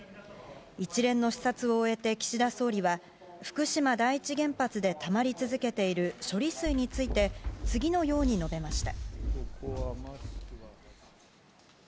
一連の視察を終えて、岸田総理は福島第一原発でたまり続けている処理水について次のように述べました。